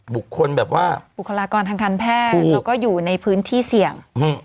บุคคลากรทางคันแพทย์แล้วก็อยู่ในพื้นที่เสี่ยง